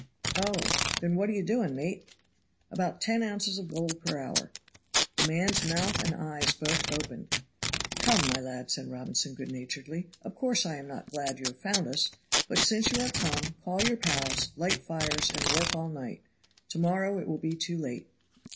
"Oh! then what are you doing, mate?" "About ten ounces of gold per hour." The man's mouth and eyes both opened. "Come, my lad," said Robinson, good naturedly, "of course I am not glad you have found us, but since you are come, call your pals, light fires, and work all night. To morrow it will be too late."